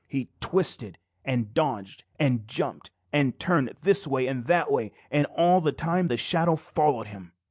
He twisted and dodged and jumped and turned this way and that way, and all the time the shadow followed him.